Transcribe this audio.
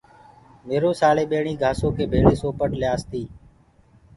ميرو سآݪي ٻيڻ گھآسو ڪي ڀݪي سوپٽ ليآس تي۔